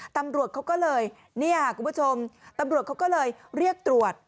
ตำรวจเขาก็เลยเรียกตรวจ